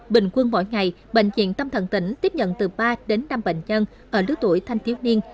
bình quân mỗi ngày bệnh viện tâm thần tỉnh tiếp nhận từ ba đến năm bệnh nhân ở lứa tuổi thanh thiếu niên